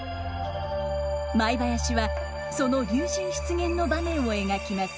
舞囃子はその龍神出現の場面を描きます。